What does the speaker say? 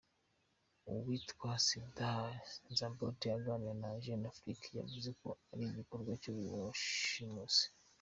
Uwitwa Cédar Nziamboudi aganira na Jeune Afrique yavuze ko ari igikorwa cy’ubushimusi.